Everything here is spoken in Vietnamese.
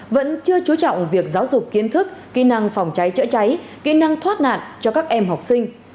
vẫn chưa chú trọng việc giáo dục kiến thức kỹ năng phòng cháy chữa cháy kỹ năng thoát nạn cho các em học sinh